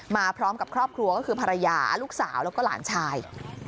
มาพร้อมกับครอบครัวก็คือภรรยาลูกสาวแล้วก็หลานชาย